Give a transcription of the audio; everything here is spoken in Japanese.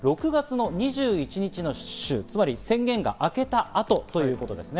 ６月２１日の週、つまり宣言が明けた後ということですね。